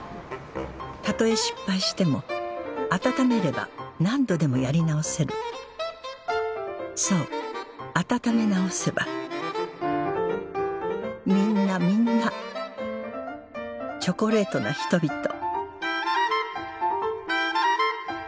たとえ失敗しても温めれば何度でもやり直せるそう温め直せばみんなみんなチョコレートな人々